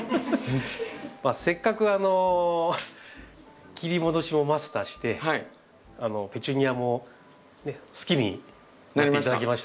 せっかく切り戻しもマスターしてペチュニアも好きになって頂きましたので。